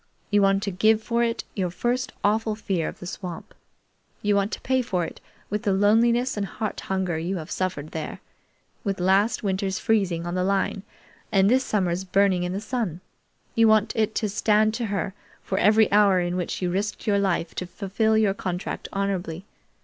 You want to give for it your first awful fear of the swamp. You want to pay for it with the loneliness and heart hunger you have suffered there, with last winter's freezing on the line and this summer's burning in the sun. You want it to stand to her for every hour in which you risked your life to fulfill your contract honorably.